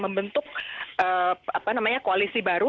memang kepada hakolah